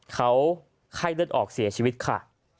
เขาไข้เลือดออกเสียชีวิตค่ะ